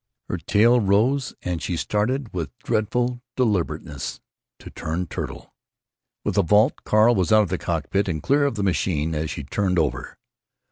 Her tail rose, and she started, with dreadful deliberateness, to turn turtle. With a vault Carl was out of the cockpit and clear of the machine as she turned over.